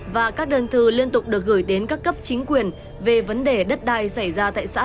và các đơn thư liên tục được gửi đến các cấp chính quyền về vấn đề đất đai xảy ra tại xã